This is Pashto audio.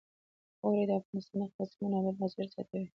اوړي د افغانستان د اقتصادي منابعو ارزښت زیاتوي.